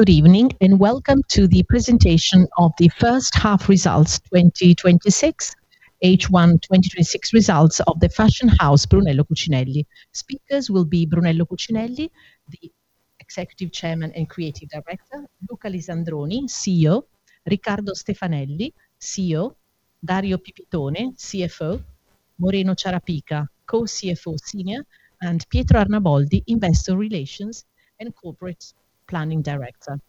Good evening, and welcome to the presentation of the first half results 2026, H1 2026 results of the fashion house Brunello Cucinelli. Speakers will be Brunello Cucinelli, the Executive Chairman and Creative Director, Luca Lisandroni, CEO, Riccardo Stefanelli, CEO, Dario Pipitone, CFO, Moreno Ciarapica, Co-CFO Senior, and Pietro Arnaboldi, Investor Relations and Corporate Planning Director.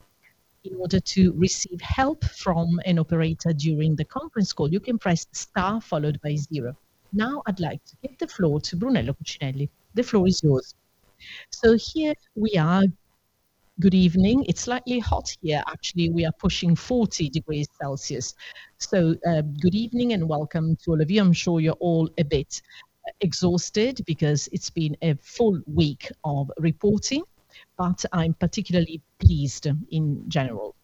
In order to receive help from an operator during the conference call, you can press star followed by zero. I'd like to give the floor to Brunello Cucinelli. The floor is yours. Here we are. Good evening. It's slightly hot here. Actually, we are pushing 40 degrees Celsius. Good evening, and welcome to all of you. I'm sure you're all a bit exhausted because it's been a full week of reporting, but I'm particularly pleased in general.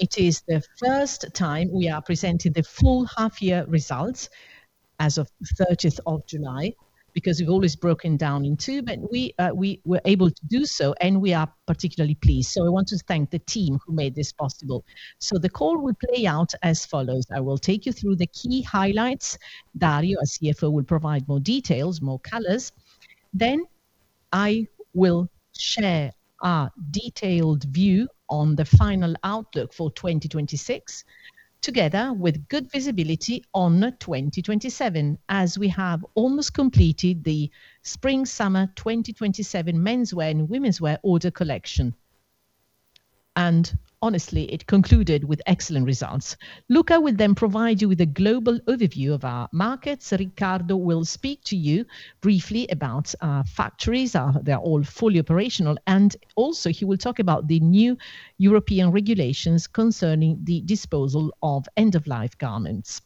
It is the first time we are presenting the full half year results as of the 30th of July because we've always broken down in two, but we were able to do so and we are particularly pleased. I want to thank the team who made this possible. The call will play out as follows. I will take you through the key highlights. Dario, our CFO, will provide more details, more colors. I will share our detailed view on the final outlook for 2026, together with good visibility on 2027, as we have almost completed the spring summer 2027 menswear and womenswear order collection. Honestly, it concluded with excellent results. Luca will then provide you with a global overview of our markets. Riccardo will speak to you briefly about our factories. They're all fully operational. Also he will talk about the new European regulations concerning the disposal of end-of-life garments.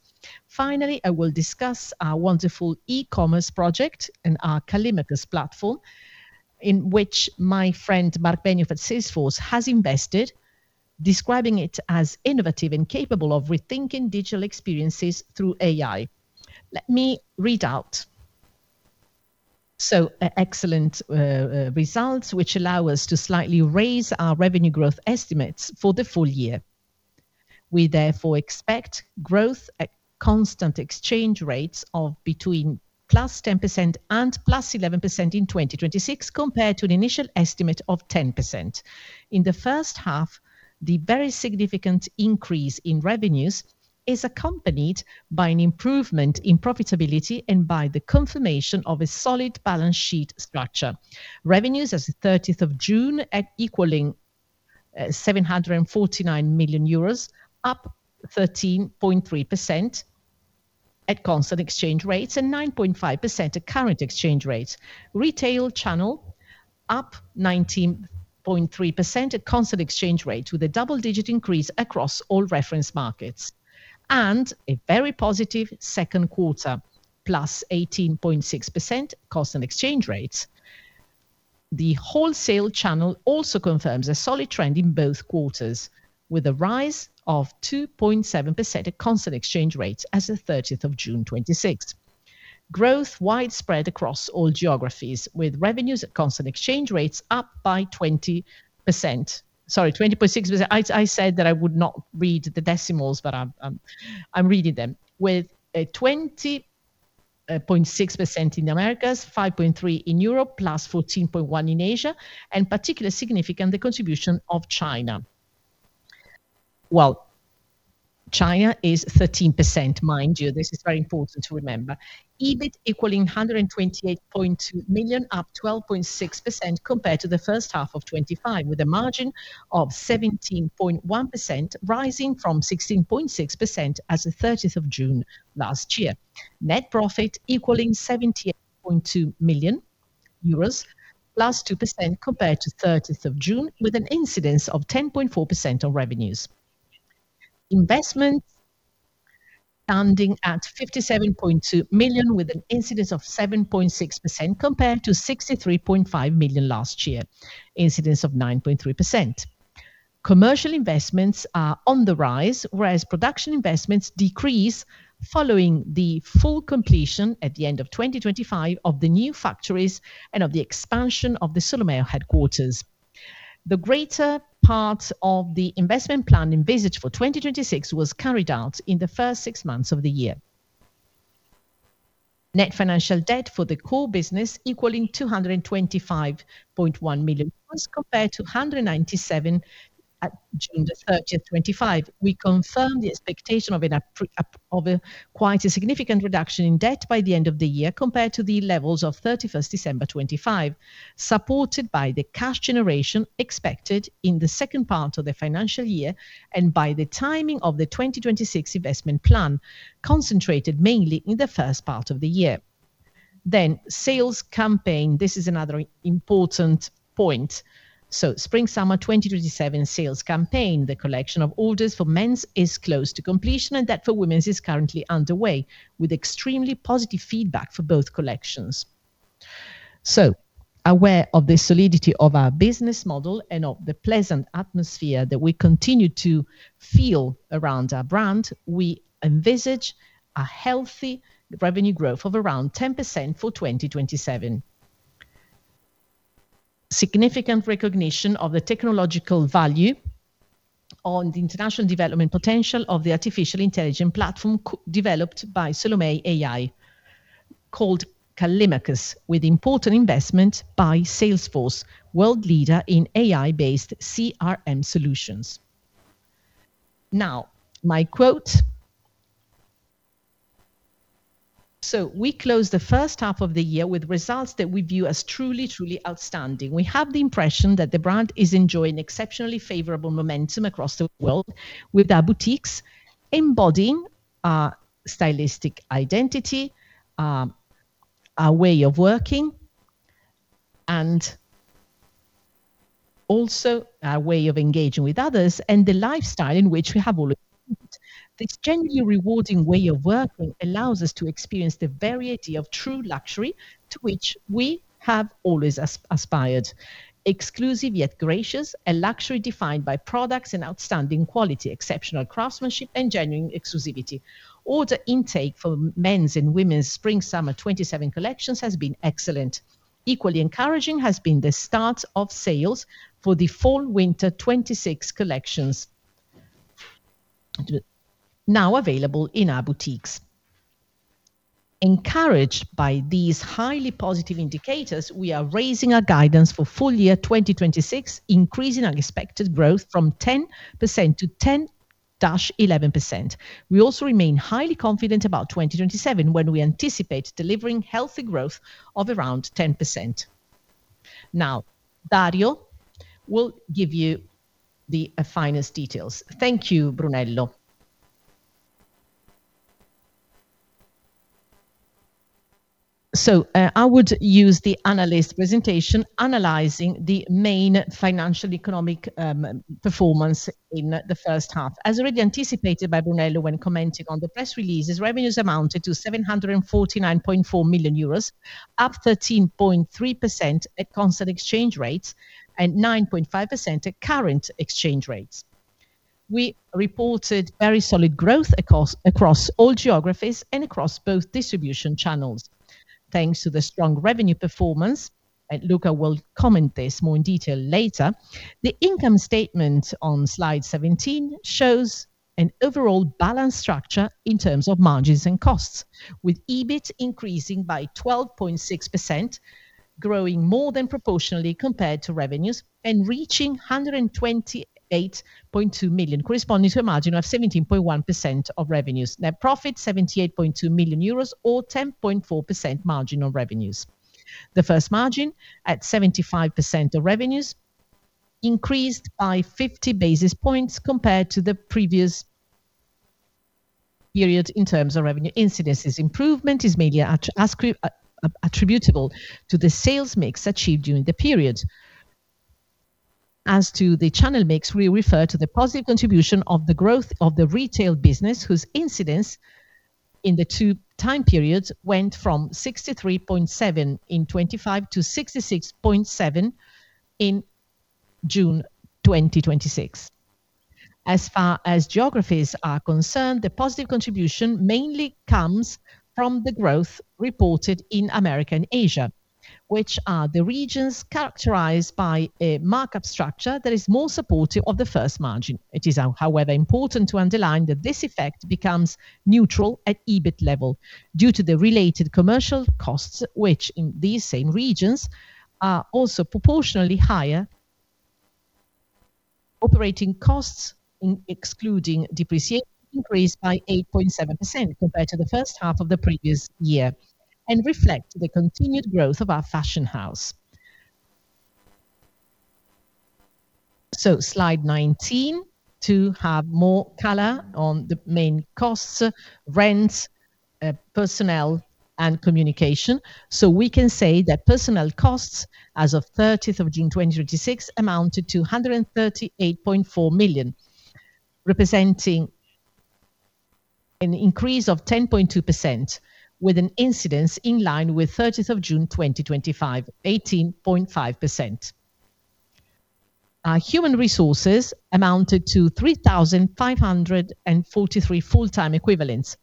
Finally, I will discuss our wonderful e-commerce project and our Callimacus platform in which my friend Marc Benioff at Salesforce has invested, describing it as innovative and capable of rethinking digital experiences through AI. Let me read out. Excellent results which allow us to slightly raise our revenue growth estimates for the full year. We therefore expect growth at constant exchange rates of between +10% and +11% in 2026, compared to an initial estimate of 10%. In the first half, the very significant increase in revenues is accompanied by an improvement in profitability and by the confirmation of a solid balance sheet structure. Revenues as of 30th of June equaling EUR 749 million, up 13.3% at constant exchange rates and 9.5% at current exchange rates. Retail channel up 19.3% at constant exchange rate with a double digit increase across all reference markets, and a very positive second quarter, +18.6% constant exchange rates. The wholesale channel also confirms a solid trend in both quarters, with a rise of 2.7% at constant exchange rates as of 30th of June 2026. Growth widespread across all geographies, with revenues at constant exchange rates up by 20%. Sorry, 20.6%. I said that I would not read the decimals, but I'm reading them. With a 20.6% in Americas, 5.3% in Europe, +14.1% in Asia, and particularly significant, the contribution of China. Well, China is 13%, mind you. This is very important to remember. EBIT equaling 128.2 million, up 12.6% compared to the first half of 2025, with a margin of 17.1% rising from 16.6% as of 30th of June last year. Net profit equaling 78.2 million euros, +2% compared to June 30th, with an incidence of 10.4% on revenues. Investments standing at 57.2 million with an incidence of 7.6% compared to 63.5 million last year, incidence of 9.3%. Commercial investments are on the rise, whereas production investments decrease following the full completion at the end of 2025 of the new factories and of the expansion of the Solomeo headquarters. The greater part of the investment plan envisaged for 2026 was carried out in the first six months of the year. Net financial debt for the core business equaling 225.1 million euros, as compared to 197 at June 30th, 2025. We confirm the expectation of quite a significant reduction in debt by the end of the year compared to the levels of 31st December, 2025, supported by the cash generation expected in the second part of the financial year and by the timing of the 2026 investment plan, concentrated mainly in the first part of the year. Sales campaign, this is another important point. Spring Summer 2027 sales campaign, the collection of orders for men's is close to completion and that for women's is currently underway with extremely positive feedback for both collections. Aware of the solidity of our business model and of the pleasant atmosphere that we continue to feel around our brand, we envisage a healthy revenue growth of around 10% for 2027. Significant recognition of the technological value on the international development potential of the artificial intelligence platform developed by Solomeo AI, called Callimacus, with important investment by Salesforce, world leader in AI-based CRM solutions. Now, my quote. We closed the first half of the year with results that we view as truly outstanding. We have the impression that the brand is enjoying exceptionally favorable momentum across the world, with our boutiques embodying our stylistic identity, our way of working, and also our way of engaging with others and the lifestyle in which we have always believed. This genuinely rewarding way of working allows us to experience the variety of true luxury to which we have always aspired. Exclusive yet gracious, a luxury defined by products and outstanding quality, exceptional craftsmanship, and genuine exclusivity. Order intake for men's and women's Spring/Summer 2027 collections has been excellent. Equally encouraging has been the start of sales for the Fall-Winter 2026 collections, now available in our boutiques. Encouraged by these highly positive indicators, we are raising our guidance for full year 2026, increasing our expected growth from 10% to 10%-11%. We also remain highly confident about 2027, when we anticipate delivering healthy growth of around 10%. Now, Dario will give you the finest details. Thank you, Brunello. I would use the analyst presentation analyzing the main financial economic performance in the first half. As already anticipated by Brunello when commenting on the press releases, revenues amounted to 749.4 million euros, up 13.3% at constant exchange rates and 9.5% at current exchange rates. We reported very solid growth across all geographies and across both distribution channels. Thanks to the strong revenue performance, and Luca will comment this more in detail later, the income statement on slide 17 shows an overall balanced structure in terms of margins and costs, with EBIT increasing by 12.6%, growing more than proportionally compared to revenues and reaching 128.2 million, corresponding to a margin of 17.1% of revenues. Net profit 78.2 million euros or 10.4% margin on revenues. The first margin at 75% of revenues increased by 50 basis points compared to the previous period in terms of revenue incidence. This improvement is mainly attributable to the sales mix achieved during the period. As to the channel mix, we refer to the positive contribution of the growth of the retail business, whose incidence in the two time periods went from 63.7% in 2025 to 66.7% in June 2026. As far as geographies are concerned, the positive contribution mainly comes from the growth reported in America and Asia, which are the regions characterized by a markup structure that is more supportive of the first margin. It is, however, important to underline that this effect becomes neutral at EBIT level due to the related commercial costs which, in these same regions, are also proportionally higher. Operating costs, excluding depreciation, increased by 8.7% compared to the first half of the previous year and reflect the continued growth of our fashion house. Slide 19, to have more color on the main costs, rent, personnel, and communication. We can say that personnel costs as of 30th of June 2026 amounted to 138.4 million, representing an increase of 10.2% with an incidence in line with 30th of June 2025, 18.5%. Our human resources amounted to 3,543 full-time equivalents,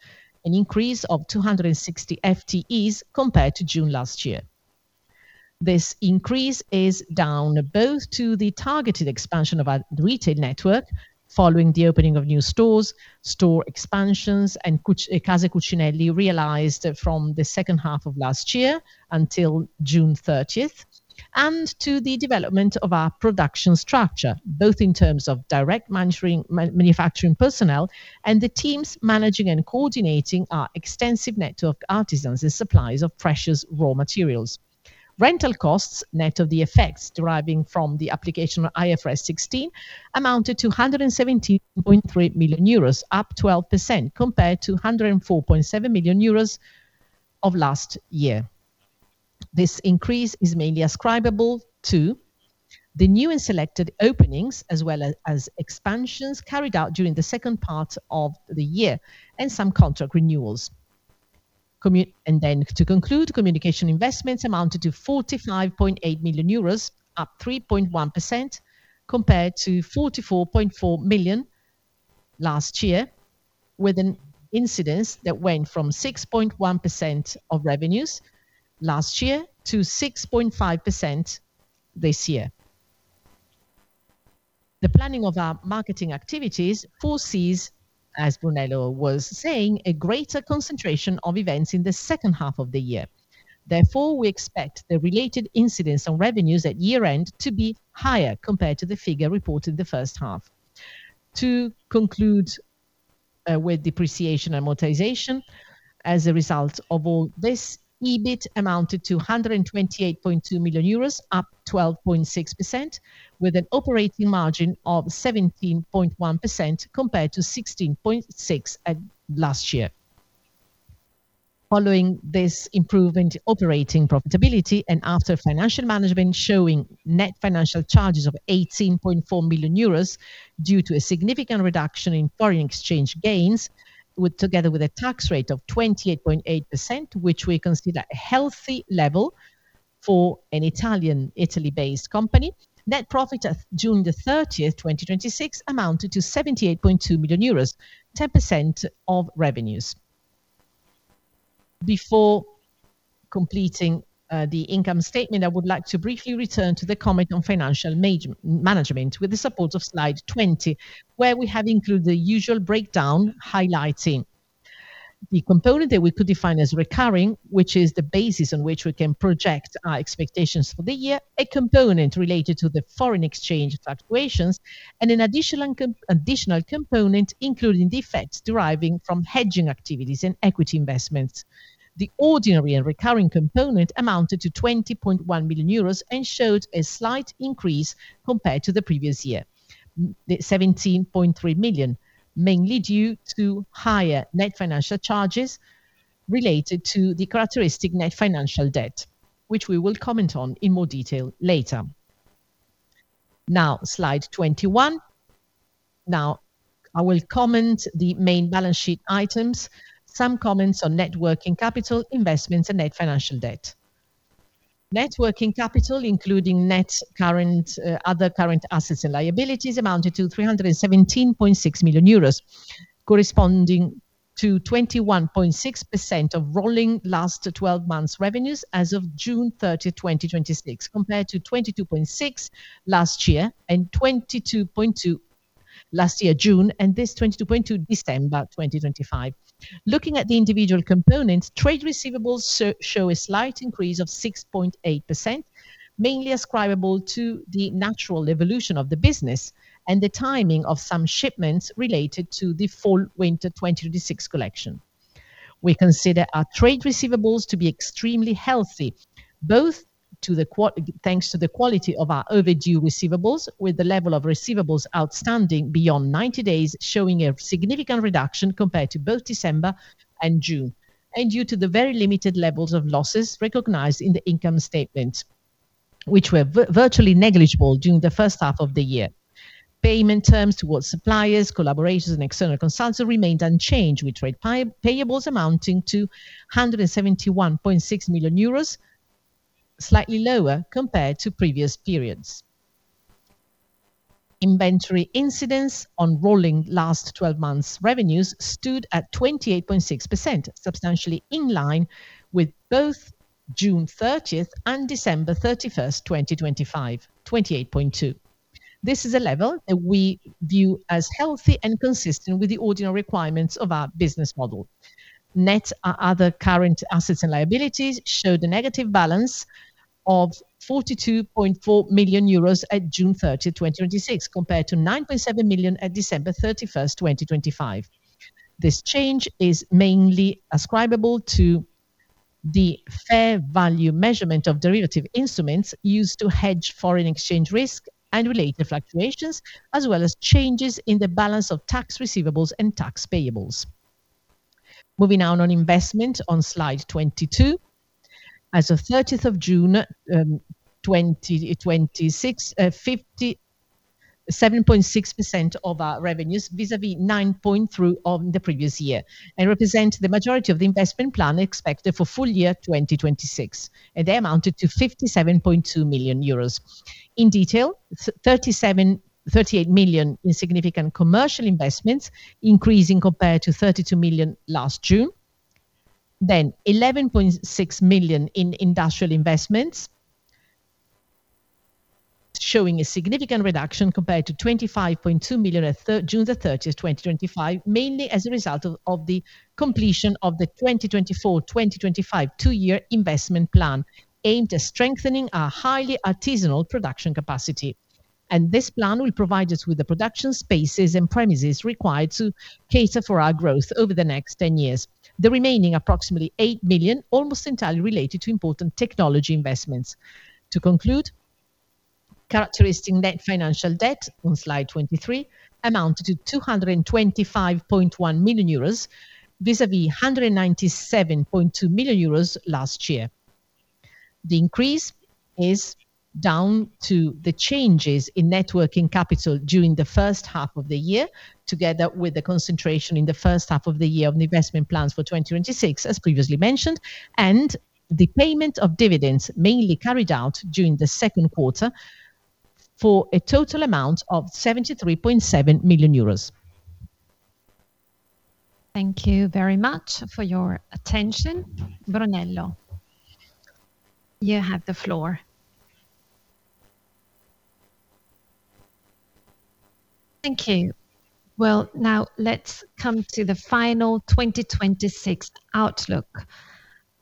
an increase of 260 FTEs compared to June last year. This increase is down both to the targeted expansion of our retail network following the opening of new stores, store expansions and Casa Cucinelli realized from the second half of last year until June 30th, and to the development of our production structure, both in terms of direct manufacturing personnel and the teams managing and coordinating our extensive network of artisans and suppliers of precious raw materials. Rental costs, net of the effects deriving from the application of IFRS 16, amounted to 117.3 million euros, up 12% compared to 104.7 million euros of last year. This increase is mainly ascribable to the new and selected openings, as well as expansions carried out during the second part of the year and some contract renewals. To conclude, communication investments amounted to 45.8 million euros, up 3.1% compared to 44.4 million last year, with an incidence that went from 6.1% of revenues last year to 6.5% this year. The planning of our marketing activities foresees, as Brunello was saying, a greater concentration of events in the second half of the year. Therefore, we expect the related incidence on revenues at year-end to be higher compared to the figure reported the first half. To conclude with depreciation amortization, as a result of all this, EBIT amounted to 128.2 million euros, up 12.6%, with an operating margin of 17.1% compared to 16.6% last year. Following this improvement in operating profitability and after financial management showing net financial charges of 18.4 million euros due to a significant reduction in foreign exchange gains, together with a tax rate of 28.8%, which we consider a healthy level for an Italy-based company, net profit as of June 30th, 2026, amounted to 78.2 million euros, 10% of revenues. Before completing the income statement, I would like to briefly return to the comment on financial management with the support of slide 20, where we have included the usual breakdown highlighting the component that we could define as recurring, which is the basis on which we can project our expectations for the year, a component related to the foreign exchange fluctuations, and an additional component, including the effects deriving from hedging activities and equity investments. The ordinary and recurring component amounted to 20.1 million euros and showed a slight increase compared to the previous year, 17.3 million, mainly due to higher net financial charges related to the characteristic net financial debt, which we will comment on in more detail later. Now, slide 21. I will comment the main balance sheet items, some comments on net working capital, investments, and net financial debt. Net working capital, including net other current assets and liabilities, amounted to 317.6 million euros, corresponding to 21.6% of rolling last 12 months revenues as of June 30th, 2026, compared to 22.6% last year, and 22.2% last year, June, and this 22.2% December 2025. Looking at the individual components, trade receivables show a slight increase of 6.8%, mainly ascribable to the natural evolution of the business and the timing of some shipments related to the Fall-Winter 2026 collection. We consider our trade receivables to be extremely healthy, both thanks to the quality of our overdue receivables, with the level of receivables outstanding beyond 90 days, showing a significant reduction compared to both December and June, and due to the very limited levels of losses recognized in the income statement, which were virtually negligible during the first half of the year. Payment terms towards suppliers, collaborators, and external consultants remained unchanged, with trade payables amounting to 171.6 million euros, slightly lower compared to previous periods. Inventory incidence on rolling last 12 months revenues stood at 28.6%, substantially in line with both June 30th and December 31st, 2025, 28.2%. This is a level that we view as healthy and consistent with the ordinary requirements of our business model. Net other current assets and liabilities showed a negative balance of 42.4 million euros at June 30th, 2026, compared to 9.7 million at December 31st, 2025. This change is mainly ascribable to the fair value measurement of derivative instruments used to hedge foreign exchange risk and related fluctuations, as well as changes in the balance of tax receivables and tax payables. Moving on investment on slide 22. As of 30th of June, 2026, 57.6% of our revenues vis-a-vis 9.3% on the previous year and represent the majority of the investment plan expected for full year 2026, and they amounted to 57.2 million euros. In detail, 38 million in significant commercial investments, increasing compared to 32 million last June. Industrial investments amounted to EUR 11.6 million, showing a significant reduction compared to 25.2 million at June the 30th, 2025, mainly as a result of the completion of the 2024-2025 two-year investment plan aimed at strengthening our highly artisanal production capacity. This plan will provide us with the production spaces and premises required to cater for our growth over the next 10 years. The remaining approximately 8 million, almost entirely related to important technology investments. Characteristic net financial debt, on slide 23, amounted to 225.1 million euros, vis-a-vis 197.2 million euros last year. The increase is down to the changes in net working capital during the first half of the year, together with the concentration in the first half of the year on the investment plans for 2026, as previously mentioned, and the payment of dividends mainly carried out during the second quarter for a total amount of 73.7 million euros. Thank you very much for your attention. Brunello, you have the floor. Thank you. Now let's come to the final 2026 outlook.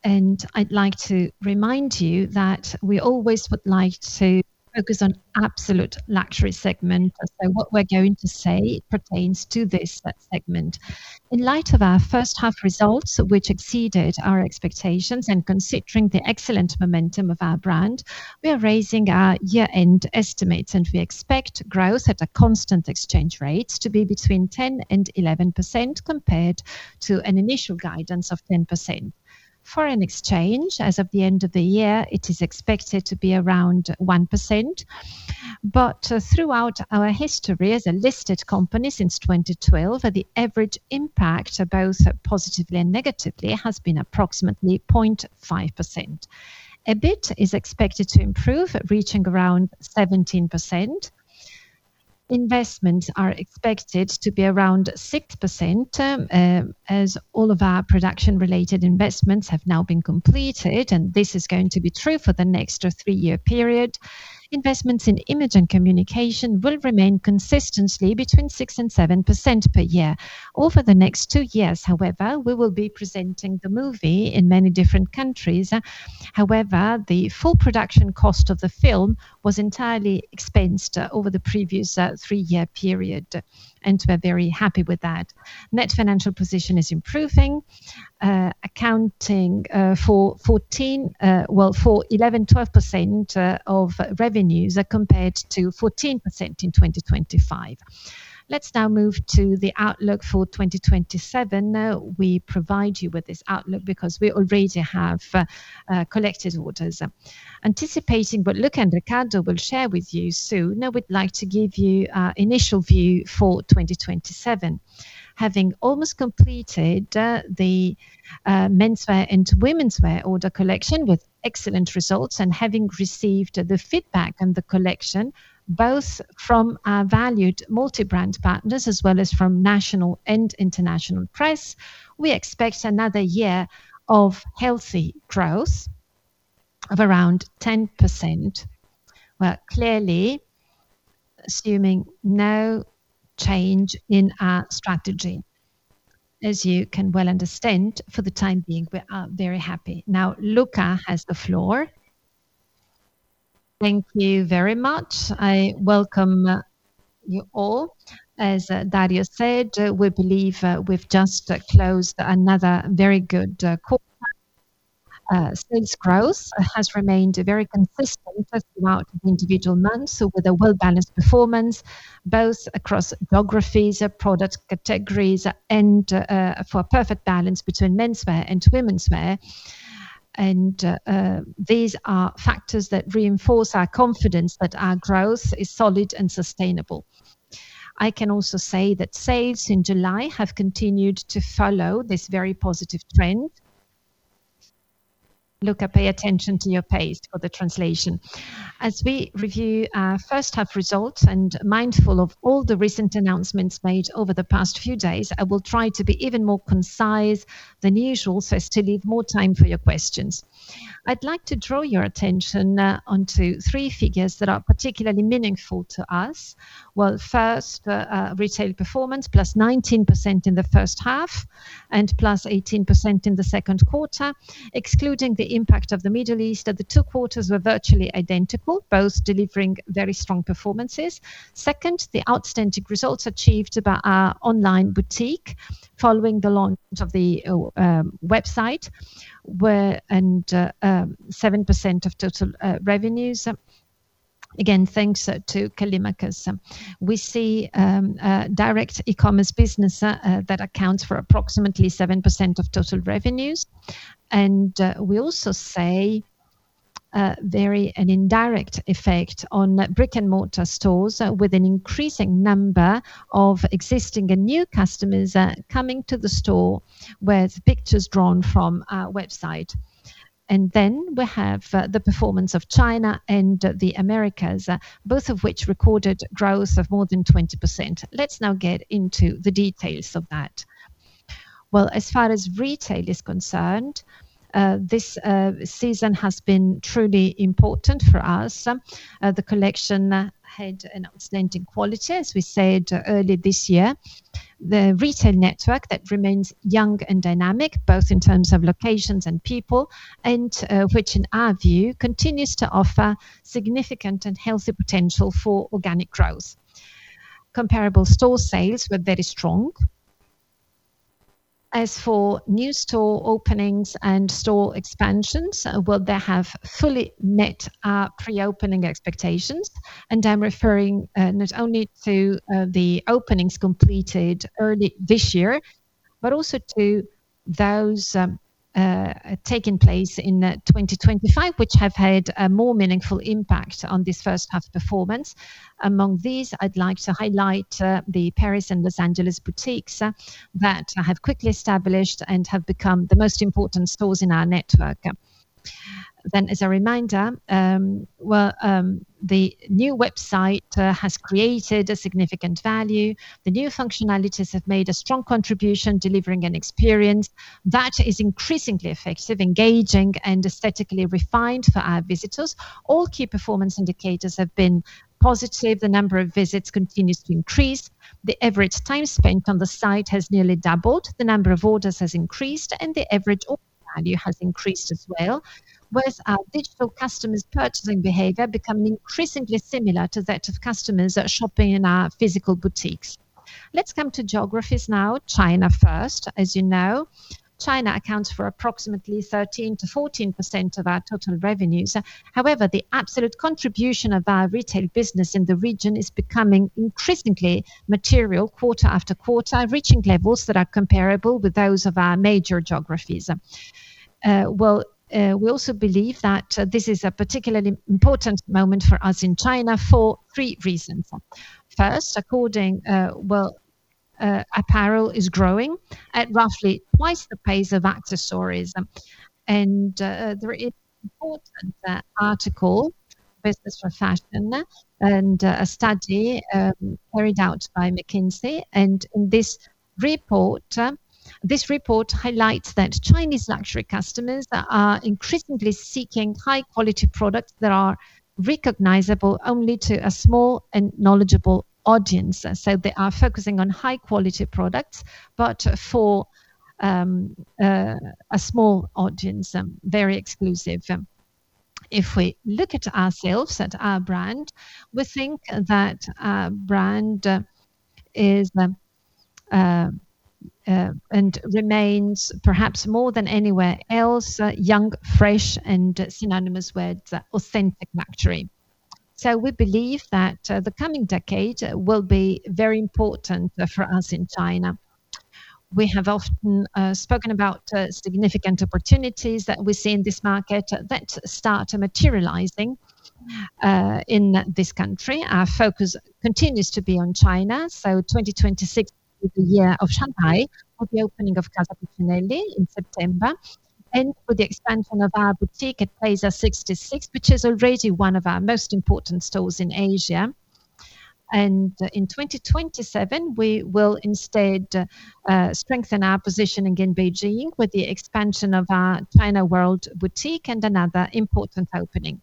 I'd like to remind you that we always would like to focus on absolute luxury segment. What we are going to say pertains to this segment. In light of our first half results, which exceeded our expectations, and considering the excellent momentum of our brand, we are raising our year-end estimates, and we expect growth at a constant exchange rate to be between 10%-11%, compared to an initial guidance of 10%. Foreign exchange as of the end of the year, it is expected to be around 1%, but throughout our history as a listed company since 2012, the average impact, both positively and negatively, has been approximately 0.5%. EBIT is expected to improve, reaching around 17%. Investments are expected to be around 6%, as all of our production-related investments have now been completed, and this is going to be true for the next three-year period. Investments in image and communication will remain consistently between 6%-7% per year. Over the next two years, however, we will be presenting the movie in many different countries. However, the full production cost of the film was entirely expensed over the previous three-year period, and we are very happy with that. Net financial position is improving, accounting for 11.12% of revenues compared to 14% in 2025. Let's now move to the outlook for 2027. We provide you with this outlook because we already have collected orders. Anticipating what Luca and Riccardo will share with you soon, I would like to give you our initial view for 2027. Having almost completed the menswear and womenswear order collection with excellent results, and having received the feedback on the collection both from our valued multi-brand partners as well as from national and international press, we expect another year of healthy growth of around 10%. Well, clearly assuming no change in our strategy. As you can well understand, for the time being, we are very happy. Luca has the floor. Thank you very much. I welcome you all. As Dario said, we believe we've just closed another very good quarter. Sales growth has remained very consistent throughout the individual months, with a well-balanced performance both across geographies, product categories, and for a perfect balance between menswear and womenswear. These are factors that reinforce our confidence that our growth is solid and sustainable. I can also say that sales in July have continued to follow this very positive trend. Luca, pay attention to your page for the translation. As we review our first half results and mindful of all the recent announcements made over the past few days, I will try to be even more concise than usual so as to leave more time for your questions. I'd like to draw your attention onto three figures that are particularly meaningful to us. Well, first, retail performance, +19% in the first half and plus 18% in the second quarter, excluding the impact of the Middle East, that the two quarters were virtually identical, both delivering very strong performances. Second, the outstanding results achieved by our online boutique following the launch of the website, 7% of total revenues. Again, thanks to Callimacus. We see direct e-commerce business that accounts for approximately 7% of total revenues. We also see an indirect effect on brick-and-mortar stores with an increasing number of existing and new customers coming to the store with pictures drawn from our website. We have the performance of China and the Americas, both of which recorded growth of more than 20%. Let's now get into the details of that. Well, as far as retail is concerned, this season has been truly important for us. The collection had an outstanding quality, as we said earlier this year. The retail network that remains young and dynamic, both in terms of locations and people, and which in our view, continues to offer significant and healthy potential for organic growth. Comparable store sales were very strong. As for new store openings and store expansions, well, they have fully met our pre-opening expectations, and I'm referring not only to the openings completed early this year, but also to those taking place in 2025, which have had a more meaningful impact on this first half performance. Among these, I'd like to highlight the Paris and L.A. boutiques that have quickly established and have become the most important stores in our network. As a reminder, the new website has created a significant value. The new functionalities have made a strong contribution, delivering an experience that is increasingly effective, engaging, and aesthetically refined for our visitors. All key performance indicators have been positive. The number of visits continues to increase. The average time spent on the site has nearly doubled. The number of orders has increased, and the average order value has increased as well. With our digital customers' purchasing behavior becoming increasingly similar to that of customers shopping in our physical boutiques. Let's come to geographies now. China first. As you know, China accounts for approximately 13%-14% of our total revenues. However, the absolute contribution of our retail business in the region is becoming increasingly material quarter after quarter, reaching levels that are comparable with those of our major geographies. We also believe that this is a particularly important moment for us in China for three reasons. First, apparel is growing at roughly twice the pace of accessories. There is an important article, The Business of Fashion, and a study carried out by McKinsey, and this report highlights that Chinese luxury customers are increasingly seeking high-quality products that are recognizable only to a small and knowledgeable audience. They are focusing on high-quality products, but for a small audience, very exclusive. If we look at ourselves, at our brand, we think that our brand is and remains, perhaps more than anywhere else, young, fresh, and synonymous with authentic luxury. We believe that the coming decade will be very important for us in China. We have often spoken about significant opportunities that we see in this market that start materializing in this country. Our focus continues to be on China. 2026 will be the year of Shanghai, with the opening of Casa Cucinelli in September, and with the expansion of our boutique at Plaza 66, which is already one of our most important stores in Asia. In 2027, we will instead strengthen our positioning in Beijing with the expansion of our China World boutique and another important opening.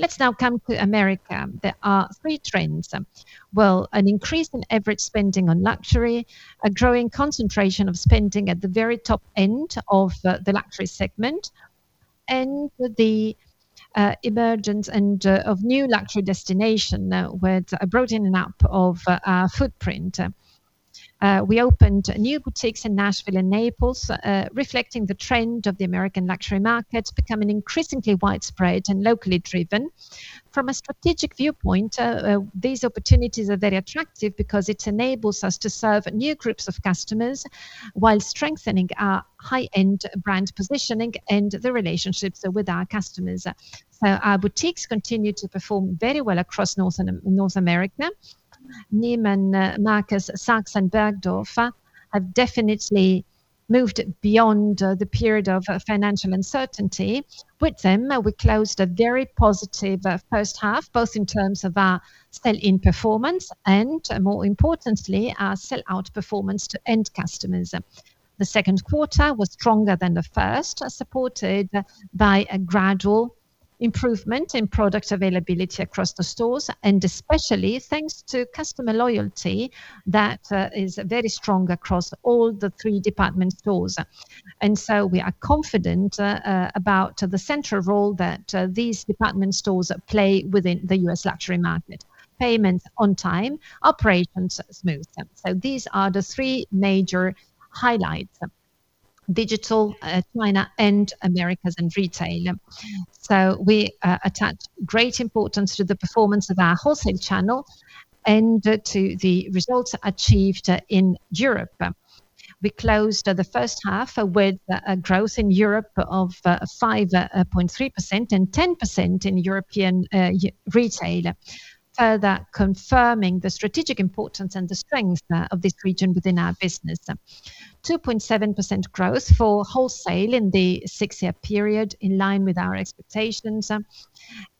Let's now come to America. There are three trends. An increase in average spending on luxury, a growing concentration of spending at the very top end of the luxury segment, and the emergence of new luxury destination with a broadening out of our footprint. We opened new boutiques in Nashville and Naples, reflecting the trend of the American luxury market becoming increasingly widespread and locally driven. From a strategic viewpoint, these opportunities are very attractive because it enables us to serve new groups of customers while strengthening our high-end brand positioning and the relationships with our customers. Our boutiques continue to perform very well across North America. Neiman Marcus, Saks, and Bergdorf have definitely moved beyond the period of financial uncertainty. With them, we closed a very positive first half, both in terms of our sell-in performance and, more importantly, our sell-out performance to end customers. The second quarter was stronger than the first, supported by a gradual improvement in product availability across the stores, and especially thanks to customer loyalty that is very strong across all the three department stores. We are confident about the central role that these department stores play within the U.S. luxury market. Payments on time, operations smooth. These are the three major highlights. Digital, China, and Americas, and retail. We attach great importance to the performance of our wholesale channel and to the results achieved in Europe. We closed the first half with a growth in Europe of 5.3% and 10% in European retail, further confirming the strategic importance and the strength of this region within our business. 2.7% growth for wholesale in the six-year period, in line with our expectations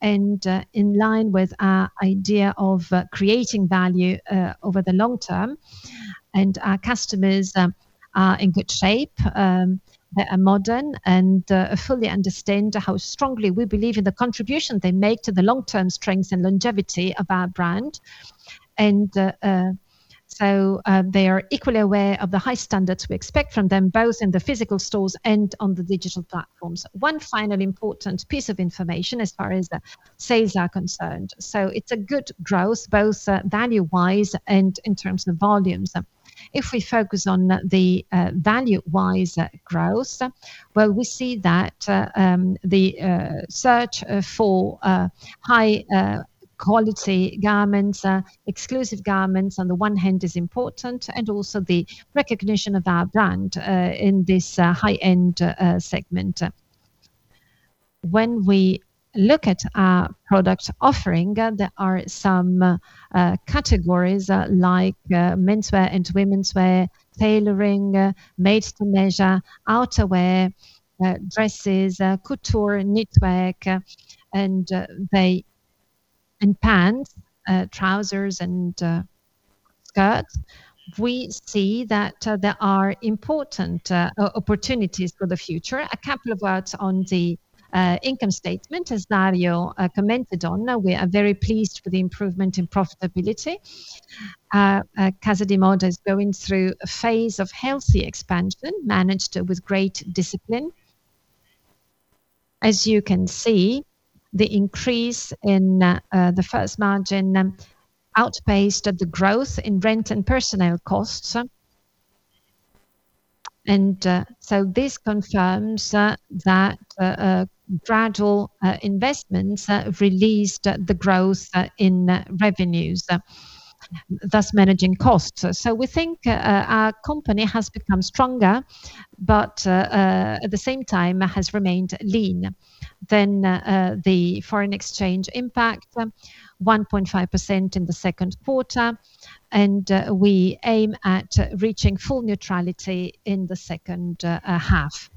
and in line with our idea of creating value over the long term. Our customers are in good shape. They are modern and fully understand how strongly we believe in the contribution they make to the long-term strength and longevity of our brand. They are equally aware of the high standards we expect from them, both in the physical stores and on the digital platforms. One final important piece of information as far as sales are concerned. It's a good growth, both value-wise and in terms of volumes. If we focus on the value-wise growth, we see that the search for high-quality garments, exclusive garments, on the one hand, is important, and also the recognition of our brand in this high-end segment. When we look at our product offering. There are some categories like menswear and womenswear, tailoring, made to measure, outerwear, dresses, couture, knitwear, and pants, trousers, and skirts. We see that there are important opportunities for the future. A couple of words on the income statement, as Dario commented on. We are very pleased with the improvement in profitability. Casa di Moda is going through a phase of healthy expansion, managed with great discipline. As you can see, the increase in the first margin outpaced the growth in rent and personnel costs. This confirms that gradual investments released the growth in revenues, thus managing costs. We think our company has become stronger, but at the same time has remained lean. The foreign exchange impact, 1.5% in the second quarter, and we aim at reaching full neutrality in the second half.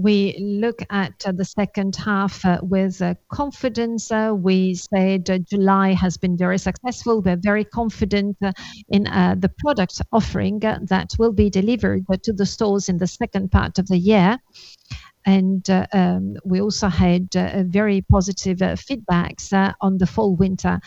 We look at the second half with confidence. We said July has been very successful. We're very confident in the product offering that will be delivered to the stores in the second part of the year. We also had very positive feedbacks on the fall winter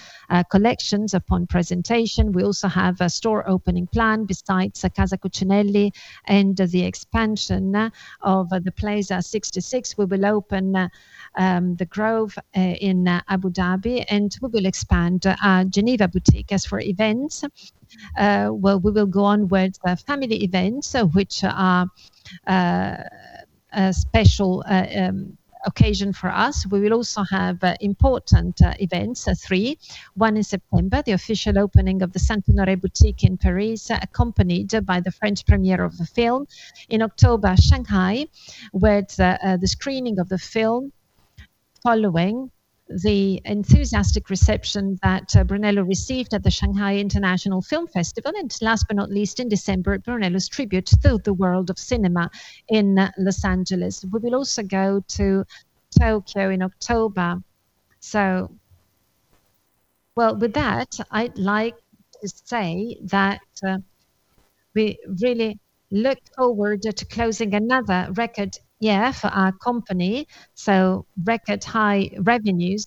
collections upon presentation. We also have a store opening plan besides Casa Cucinelli and the expansion of Plaza 66. We will open The Grove in Abu Dhabi, and we will expand our Geneva boutique. As for events, well, we will go on with family events, which are a special occasion for us. We will also have important events, three. One in September, the official opening of the Saint-Honoré boutique in Paris, accompanied by the French premiere of the film. In October, Shanghai, with the screening of the film following the enthusiastic reception that Brunello received at the Shanghai International Film Festival. Last but not least, in December, Brunello's tribute to the world of cinema in Los Angeles. We will also go to Tokyo in October. Well, with that, I'd like to say that we really look forward to closing another record year for our company. Record high revenues,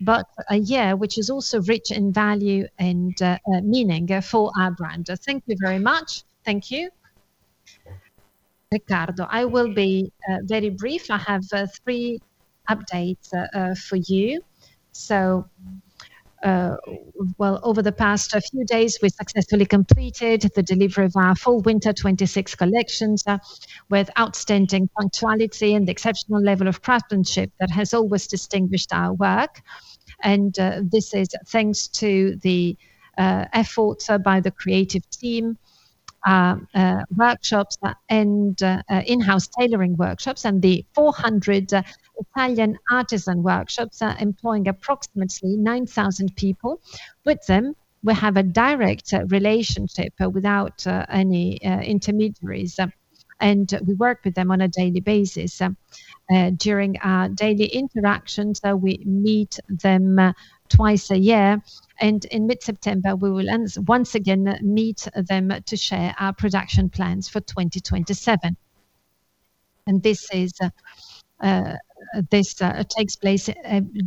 but a year which is also rich in value and meaning for our brand. Thank you very much. Thank you. Riccardo, I will be very brief. I have three updates for you. Well, over the past few days, we successfully completed the delivery of our fall winter 2026 collections with outstanding punctuality and exceptional level of craftsmanship that has always distinguished our work. This is thanks to the efforts by the creative team, workshops, and in-house tailoring workshops, and the 400 Italian artisan workshops employing approximately 9,000 people. With them, we have a direct relationship without any intermediaries, we work with them on a daily basis. During our daily interactions, we meet them twice a year, in mid-September, we will once again meet them to share our production plans for 2027. This takes place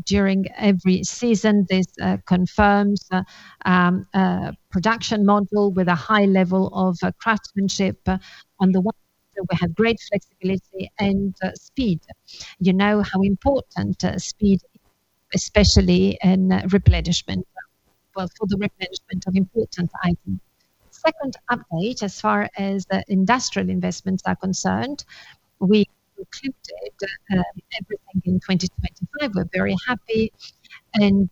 during every season. This confirms a production model with a high level of craftsmanship on the one we have great flexibility and speed. You know how important speed, especially in replenishment. Well, for the replenishment of important items. Second update, as far as the industrial investments are concerned, we concluded everything in 2025. We're very happy and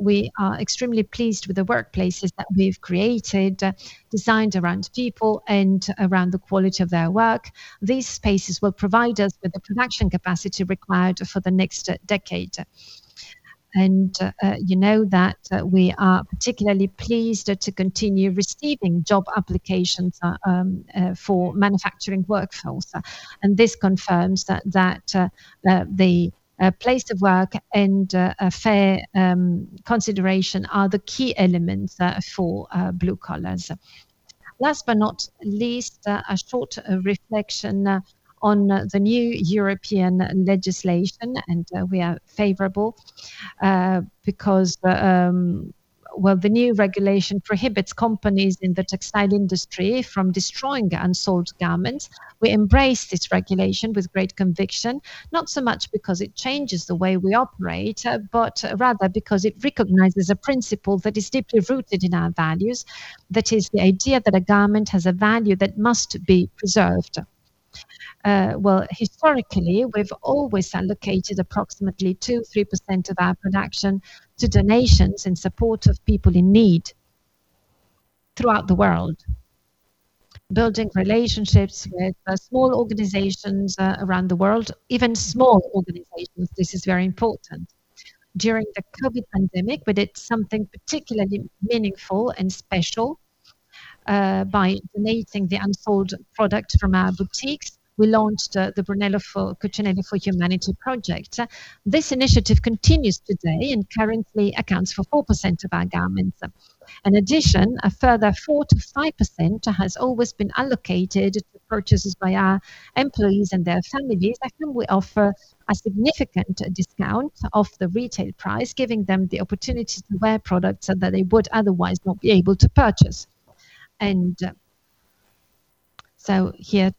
we are extremely pleased with the workplaces that we've created, designed around people and around the quality of their work. These spaces will provide us with the production capacity required for the next decade. You know that we are particularly pleased to continue receiving job applications for manufacturing workforce. This confirms that the place of work and a fair consideration are the key elements for blue collars. Last but not least, a short reflection on the new European legislation, we are favorable because, well, the new regulation prohibits companies in the textile industry from destroying unsold garments. We embrace this regulation with great conviction, not so much because it changes the way we operate, but rather because it recognizes a principle that is deeply rooted in our values. That is the idea that a garment has a value that must be preserved. Well, historically, we've always allocated approximately 2%-3% of our production to donations in support of people in need throughout the world. Building relationships with small organizations around the world, even small organizations, this is very important. During the COVID pandemic, but it's something particularly meaningful and special, by donating the unsold product from our boutiques, we launched the Brunello Cucinelli for Humanity project. This initiative continues today and currently accounts for 4% of our garments. In addition, a further 4%-5% has always been allocated to purchases by our employees and their families. To them, we offer a significant discount off the retail price, giving them the opportunity to wear products that they would otherwise not be able to purchase. Here,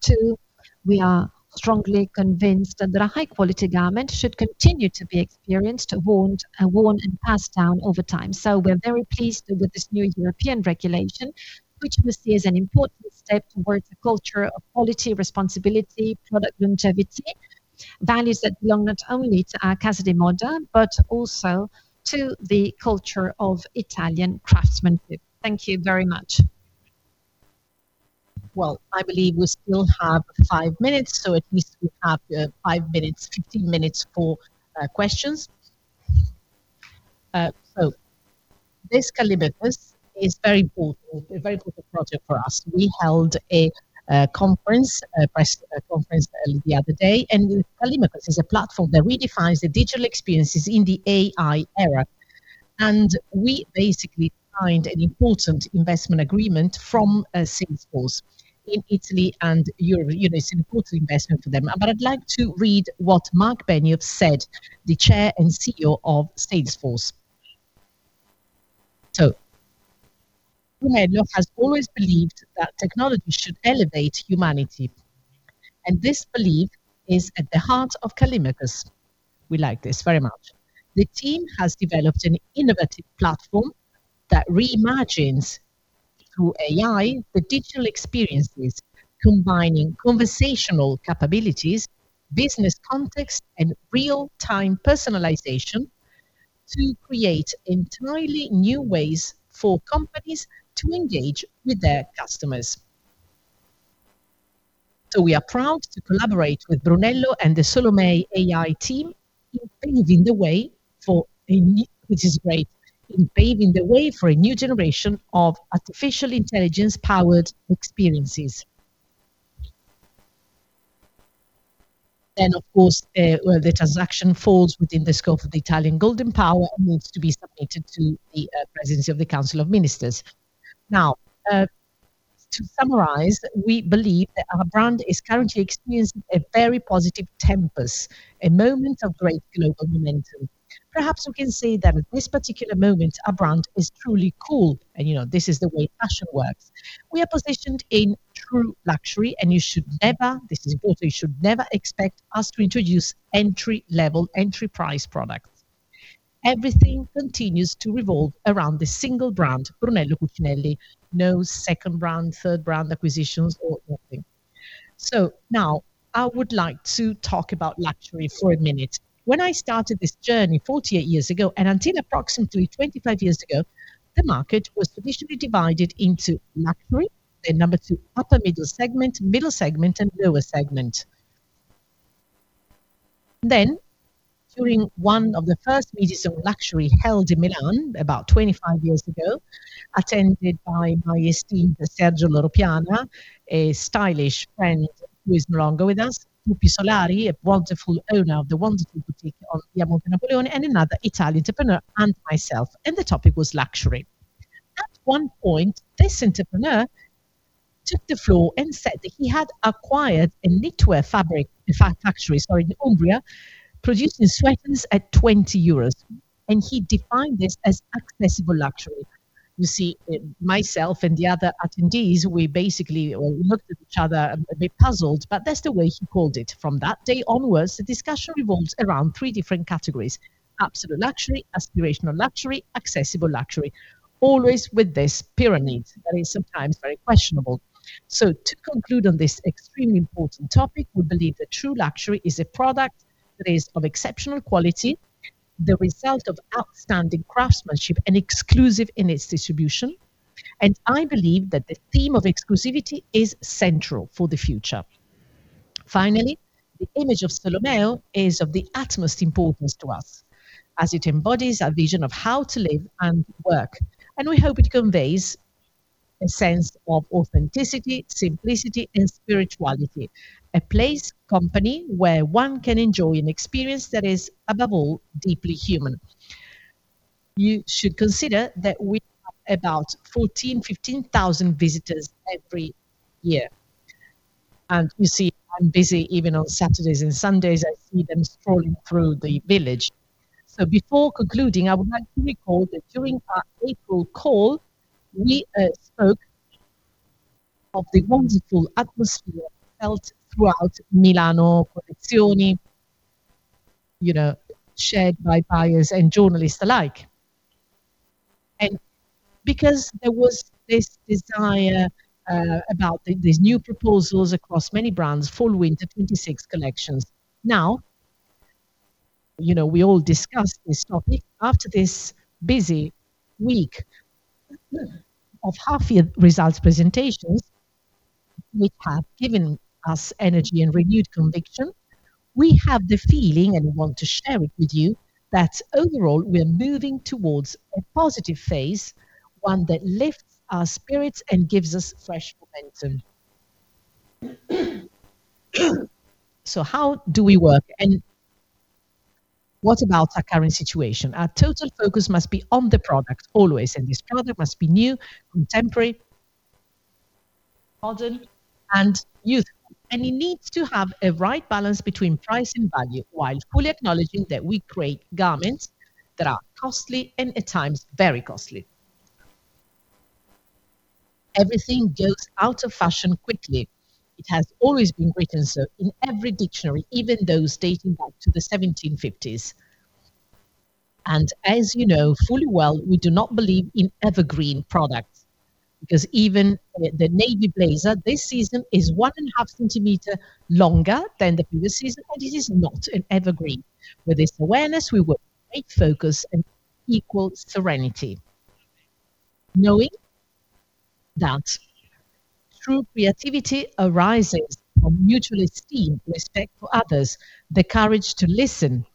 too, we are strongly convinced that a high-quality garment should continue to be experienced, worn and passed down over time. We are very pleased with this new European regulation, which we see as an important step towards a culture of quality, responsibility, product longevity, values that belong not only to our casa di moda, but also to the culture of Italian craftsmanship. Thank you very much. Well, I believe we still have five minutes, at least we have five minutes, 15 minutes for questions. This Callimacus is very important, a very important project for us. We held a press conference the other day, Callimacus is a platform that redefines the digital experiences in the AI era. We basically signed an important investment agreement from Salesforce in Italy and Europe. It's an important investment for them. I'd like to read what Marc Benioff said, the Chair and CEO of Salesforce. Marc Benioff has always believed that technology should elevate humanity, and this belief is at the heart of Callimacus." We like this very much. "The team has developed an innovative platform that reimagines, through AI, the digital experiences, combining conversational capabilities, business context, and real-time personalization to create entirely new ways for companies to engage with their customers. We are proud to collaborate with Brunello and the Solomeo AI team in paving the way for a new," which is great, "in paving the way for a new generation of artificial intelligence-powered experiences." Of course, the transaction falls within the scope of the Italian Golden Power and needs to be submitted to the Presidency of the Council of Ministers. To summarize, we believe that our brand is currently experiencing a very positive tempus, a moment of great global momentum. Perhaps we can say that at this particular moment, our brand is truly cool, and this is the way fashion works. We are positioned in true luxury, and you should never, this is important, you should never expect us to introduce entry-level, entry price products. Everything continues to revolve around the single brand, Brunello Cucinelli. No second brand, third brand acquisitions or nothing. Now I would like to talk about luxury for a minute. When I started this journey 48 years ago, and until approximately 25 years ago, the market was traditionally divided into luxury, then number two, upper middle segment, middle segment, and lower segment. During one of the first meetings on luxury held in Milan about 25 years ago, attended by my esteemed Sergio Loro Piana, a stylish friend who is no longer with us, Pupi Solari, a wonderful owner of the wonderful boutique on Via Monte Napoleone, and another Italian entrepreneur, and myself, and the topic was luxury. At one point, this entrepreneur took the floor and said that he had acquired a knitwear factory in Umbria, producing sweaters at 20 euros. He defined this as accessible luxury. You see, myself and the other attendees, we basically all looked at each other a bit puzzled, but that's the way he called it. From that day onwards, the discussion revolves around three different categories: absolute luxury, aspirational luxury, accessible luxury, always with this pyramid that is sometimes very questionable. To conclude on this extremely important topic, we believe that true luxury is a product that is of exceptional quality, the result of outstanding craftsmanship, and exclusive in its distribution. I believe that the theme of exclusivity is central for the future. The image of Solomeo is of the utmost importance to us, as it embodies our vision of how to live and work, and we hope it conveys a sense of authenticity, simplicity, and spirituality. A place, company, where one can enjoy an experience that is, above all, deeply human. You should consider that we have about 14,000, 15,000 visitors every year. You see I'm busy even on Saturdays and Sundays. I see them strolling through the village. Before concluding, I would like to recall that during our April call, we spoke of the wonderful atmosphere felt throughout Milano Collezioni, shared by buyers and journalists alike. Because there was this desire about these new proposals across many brands, fall/winter 2026 collections. Now We all discussed this topic after this busy week of half-year results presentations, which have given us energy and renewed conviction. We have the feeling, and we want to share it with you, that overall, we are moving towards a positive phase, one that lifts our spirits and gives us fresh momentum. How do we work, and what about our current situation? Our total focus must be on the product always, and this product must be new, contemporary, modern, and youthful. It needs to have a right balance between price and value, while fully acknowledging that we create garments that are costly and at times very costly. Everything goes out of fashion quickly. It has always been written, so in every dictionary, even those dating back to the 1750s. As you know fully well, we do not believe in evergreen products because even the navy blazer this season is one and a half centimeter longer than the previous season, and it is not an evergreen. With this awareness, we work with great focus and equal serenity, knowing that true creativity arises from mutual esteem, respect for others, the courage to listen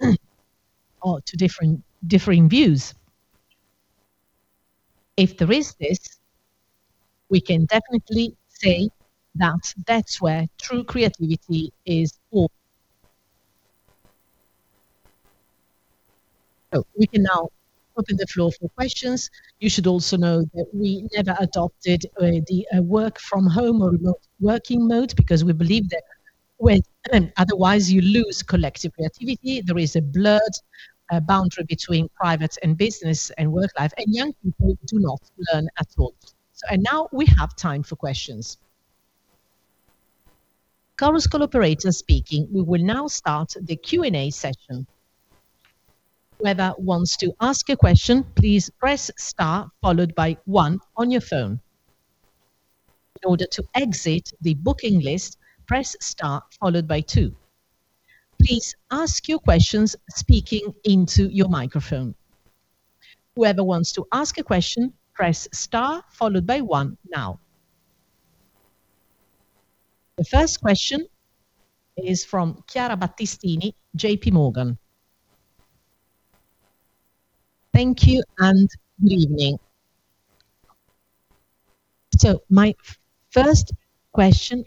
to differing views. If there is this, we can definitely say that that's where true creativity is born. We can now open the floor for questions. You should also know that we never adopted the work from home or remote working mode because we believe that Otherwise, you lose collective creativity. There is a blurred boundary between private and business and work life, and young people do not learn at all. Now we have time for questions. Call us call operator speaking. We will now start the Q&A session. Whoever wants to ask a question, please press star followed by one on your phone. In order to exit the booking list, press star followed by two. Please ask your questions speaking into your microphone. Whoever wants to ask a question, press star followed by one now. The first question is from Chiara Battistini, JPMorgan. Thank you and good evening. My first question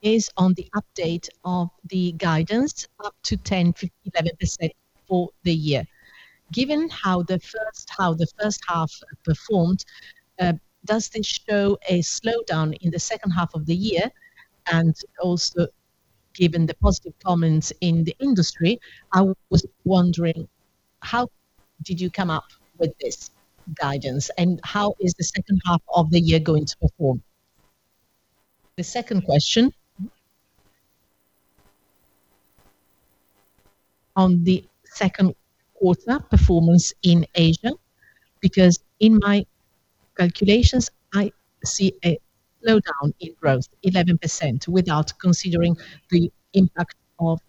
is on the update of the guidance up to 10.50%-11% for the year. Given how the first half performed, does this show a slowdown in the second half of the year? Also, given the positive comments in the industry, I was wondering, how did you come up with this guidance, and how is the second half of the year going to perform? The second question on the second quarter performance in Asia, because in my calculations, I see a slowdown in growth 11% without considering the impact of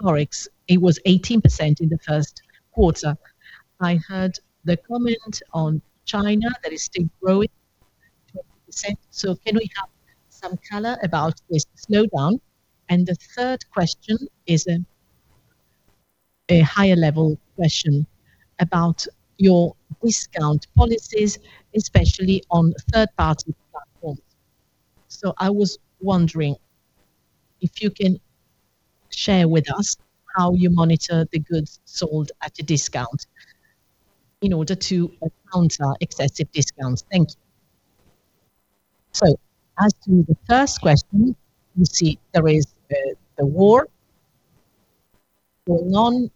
Forex. It was 18% in the first quarter. I heard the comment on China that is still growing 20%. Can we have some color about this slowdown? The third question is a higher level question about your discount policies, especially on third-party platforms. I was wondering if you can share with us how you monitor the goods sold at a discount in order to counter excessive discounts. Thank you. As to the first question, you see there is the war going on.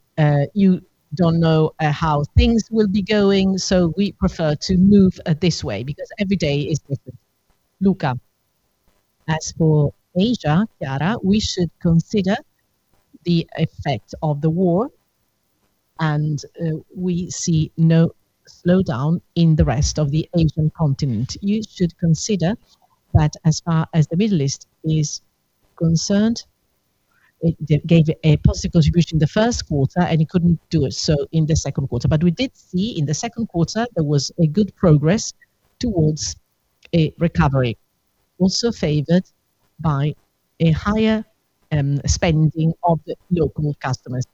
You don't know how things will be going. We prefer to move this way because every day is different. Luca. As for Asia, Chiara, we should consider the effect of the war, we see no slowdown in the rest of the Asian continent. You should consider that as far as the Middle East is concerned, it gave a positive contribution in the first quarter, it couldn't do it so in the second quarter. We did see in the second quarter, there was a good progress towards a recovery, also favored by a higher spending of the local customers.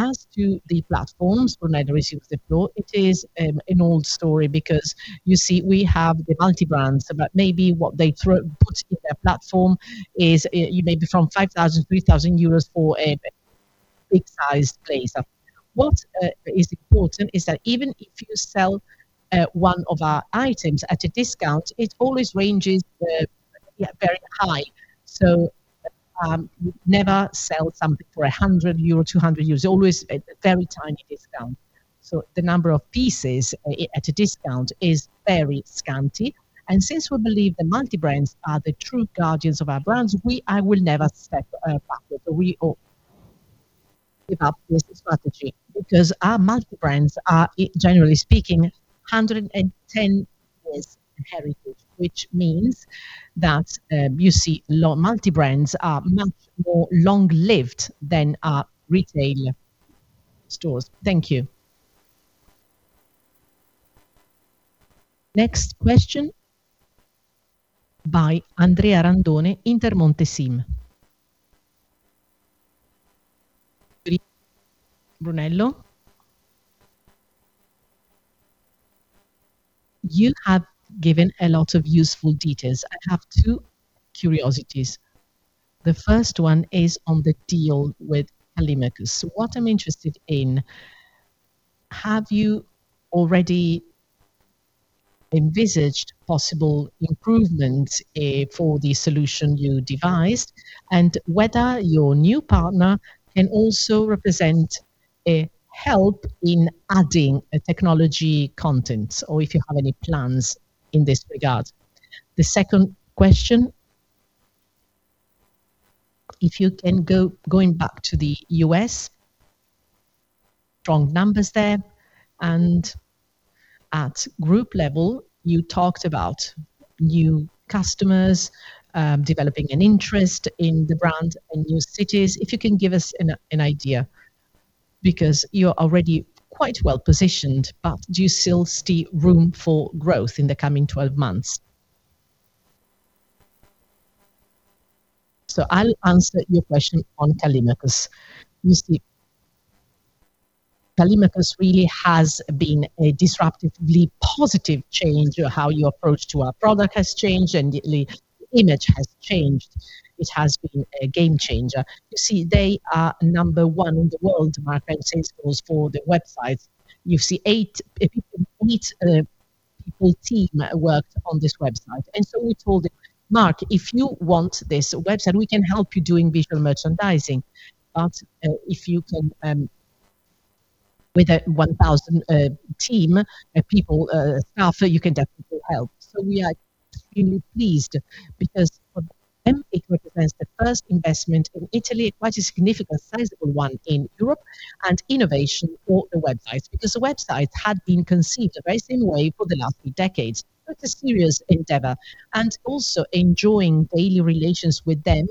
As to the platforms, it is an old story because you see, we have the multi-brands, but maybe what they put in their platform is maybe from 5,000, 3,000 euros for a big sized blazer. What is important is that even if you sell one of our items at a discount, it always ranges very high. We never sell something for 100 euros, 200 euros. Always a very tiny discount. The number of pieces at a discount is very scanty. Since we believe the multi-brands are the true guardians of our brands, I will never step back or we give up this strategy because our multi-brands are, generally speaking, 110 years heritage, which means that you see multi-brands are much more long-lived than our retail stores. Thank you. Next question by Andrea Randone, Intermonte. Brunello, you have given a lot of useful details. I have two curiosities. The first one is on the deal with Callimacus. What I'm interested in, have you already envisaged possible improvements for the solution you devised, and whether your new partner can also represent a help in adding a technology content, or if you have any plans in this regard? The second question, if you can go back to the U.S., strong numbers there, at group level, you talked about new customers developing an interest in the brand in new cities. If you can give us an idea, because you're already quite well-positioned, but do you still see room for growth in the coming 12 months? I'll answer your question on Callimacus. You see, Callimacus really has been a disruptively positive change to how your approach to our product has changed and the image has changed. It has been a game changer. You see, they are number one in the world, market sales for the website. You see, eight people team worked on this website. We told Marc, "If you want this website, we can help you doing visual merchandising. If you can, with a 1,000 team of people, staff, you can definitely help." We are extremely pleased because for them, it represents the first investment in Italy, quite a significant sizable one in Europe, and innovation for the website. The website had been conceived the very same way for the last few decades. Such a serious endeavor. Also enjoying daily relations with them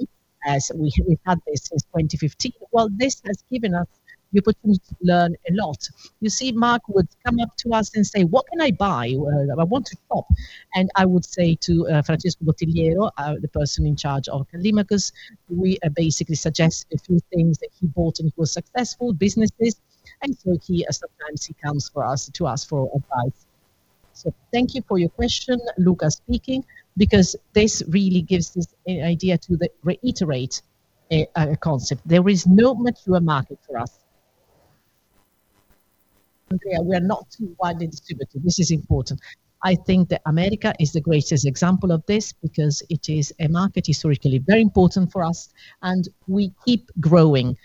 as we've had this since 2015. Well, this has given us the opportunity to learn a lot. You see, Marc would come up to us and say, "What can I buy? I want to shop." And I would say to Francesco Bottigliero, the person in charge of Callimacus, we basically suggest a few things that he bought and it was successful businesses. He sometimes comes to us for advice. Thank you for your question, Luca speaking, because this really gives this idea to reiterate a concept. There is no mature market for us. Andrea, we are not too widely distributed. This is important. I think that America is the greatest example of this because it is a market historically very important for us, and we keep growing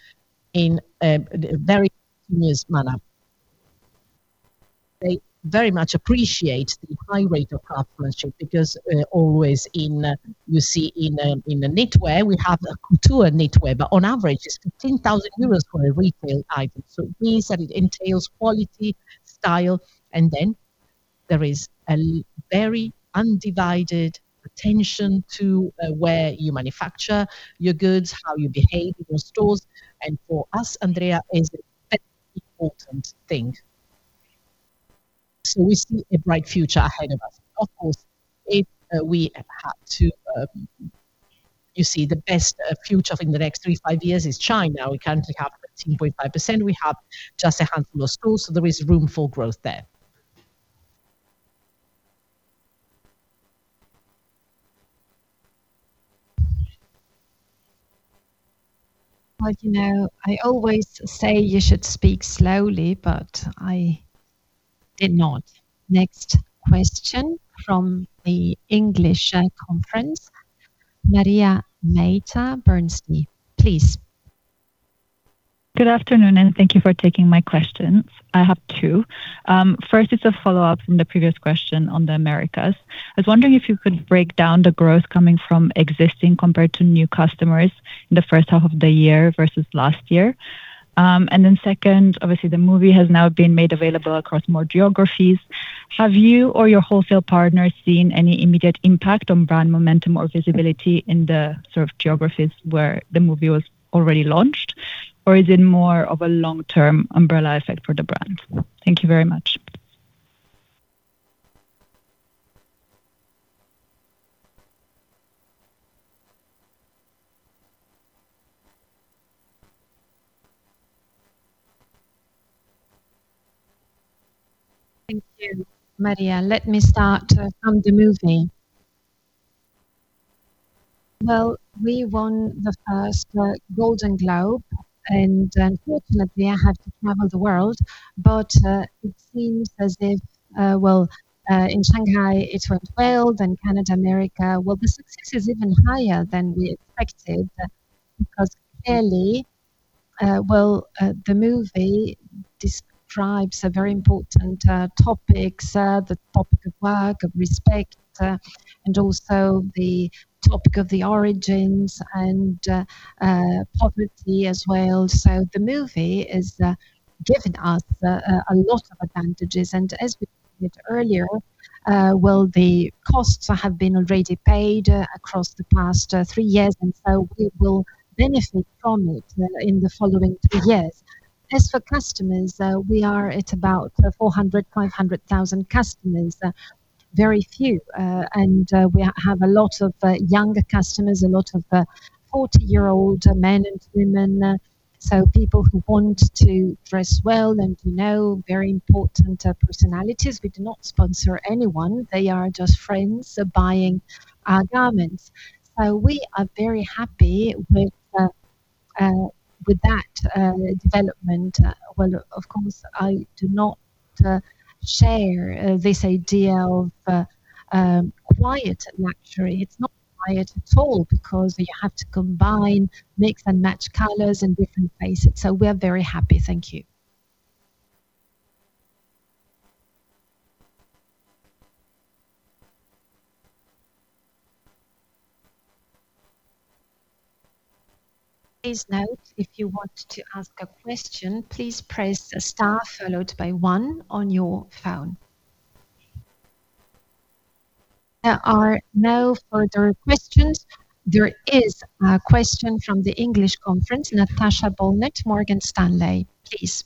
in a very continuous manner. They very much appreciate the high rate of our partnership because always you see in the knitware, we have a couture knitware, but on average, it's 10,000 euros for a retail item. It means that it entails quality, style, and then there is a very undivided attention to where you manufacture your goods, how you behave in your stores, and for us, Andrea, is a very important thing. We see a bright future ahead of us. Of course, if we have to, you see the best future in the next three-five years is China. We currently have 13.5%. We have just a handful of schools, there is room for growth there. Well, I always say you should speak slowly, I did not. Next question from the English conference. Maria Mehta Burnside, please. Good afternoon. Thank you for taking my questions. I have two. First, it is a follow-up from the previous question on the Americas. I was wondering if you could break down the growth coming from existing compared to new customers in the first half of the year versus last year. Second, obviously the movie has now been made available across more geographies. Have you or your wholesale partners seen any immediate impact on brand momentum or visibility in the sort of geographies where the movie was already launched, or is it more of a long-term umbrella effect for the brand? Thank you very much. Thank you, Maria. Let me start from the movie. We won the first Golden Globe. Fortunately, I had to travel the world, but it seems as if in Shanghai it went well, Canada, America. The success is even higher than we expected because clearly the movie describes very important topics, the topic of work, of respect, and also the topic of the origins and poverty as well. The movie has given us a lot of advantages as we said earlier, the costs have been already paid across the past three years and so we will benefit from it in the following three years. As for customers, we are at about 400,000, 500,000 customers. Very few. We have a lot of younger customers, a lot of 40-year-old men and women, so people who want to dress well and who know very important personalities. We do not sponsor anyone. They are just friends buying our garments. We are very happy with that development. Of course, I do not share this idea of quiet luxury. It is not quiet at all because you have to combine, mix and match colors in different places. We are very happy. Thank you. Please note, if you want to ask a question, please press star followed by one on your phone. There are no further questions. There is a question from the English conference, Natasha Bonnet, Morgan Stanley, please.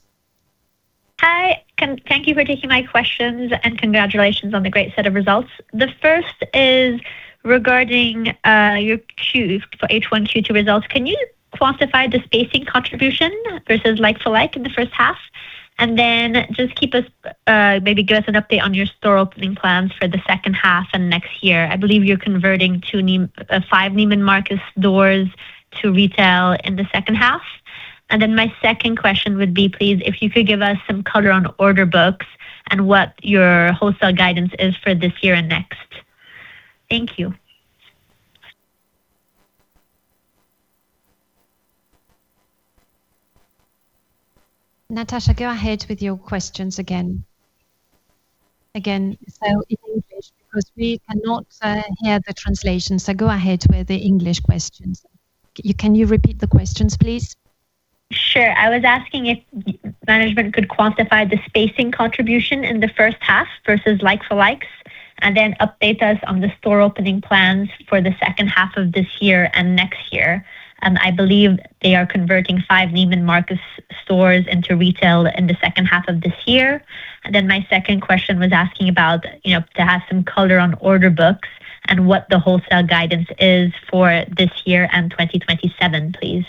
Hi, thank you for taking my questions. Congratulations on the great set of results. The first is regarding your Q for H1, Q2 results. Can you quantify the spacing contribution versus like-for-like in the first half? Just maybe give us an update on your store opening plans for the second half and next year. I believe you are converting five Neiman Marcus stores to retail in the second half. My second question would be, please, if you could give us some color on order books and what your wholesale guidance is for this year and next. Thank you. Natasha, go ahead with your questions again. In English, because we cannot hear the translation, go ahead with the English questions. Can you repeat the questions, please? Sure. I was asking if management could quantify the spacing contribution in the first half versus like-for-likes, update us on the store opening plans for the second half of this year and next year. I believe they are converting five Neiman Marcus stores into retail in the second half of this year. My second question was asking about, to have some color on order books and what the wholesale guidance is for this year and 2027, please.